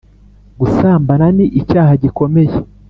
gusambara ni icyaha gikomeye ...."